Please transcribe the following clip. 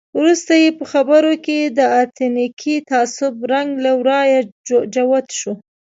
وروسته یې په خبرو کې د اتنیکي تعصب رنګ له ورایه جوت شو.